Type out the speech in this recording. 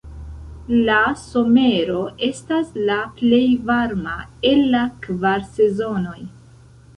La somero estas la plej varma el la kvar sezonoj.